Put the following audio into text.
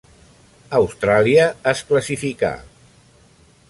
Austràlia es classificà.